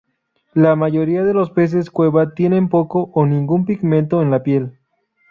La mayoría de los peces cueva tienen poco o ningún pigmento en la piel.